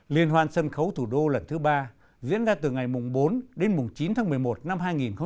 liên hoan sân khấu thủ đô lần thứ ba diễn ra từ ngày bốn đến chín tháng một mươi một năm hai nghìn một mươi chín